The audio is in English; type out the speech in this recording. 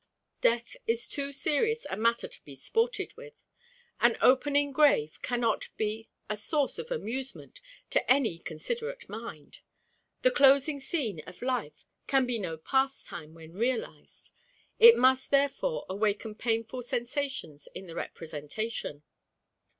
Death is too serious a matter to be sported with. An opening grave cannot be a source of amusement to any considerate mind. The closing scene of life can be no pastime when realized. It must therefore awaken painful sensations in the representation.